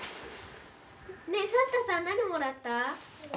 ねえサンタさん何もらった？